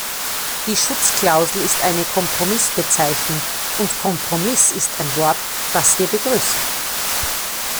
Die Schutzklausel ist eine Kompromissbezeichnung und "Kompromiss" ist ein Wort, das wir begrüßen.